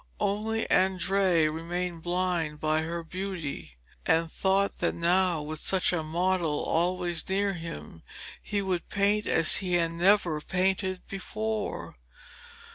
Only Andrea remained blinded by her beauty, and thought that now, with such a model always near him, he would paint as he had never painted before.